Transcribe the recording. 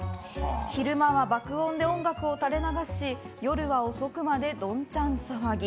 昼間は爆音で音楽を垂れ流し夜は遅くまでどんちゃん騒ぎ。